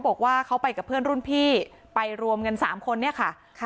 บอกว่าเขาไปกับเพื่อนรุ่นพี่ไปรวมกัน๓คนเนี่ยค่ะ